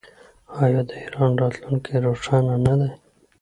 آیا د ایران راتلونکی روښانه نه دی؟